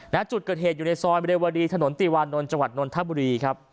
ณจุดเกิดเหตุอยู่ในซอยเรวดีถนนติวานนท์จังหวัดนนทบุรีครับ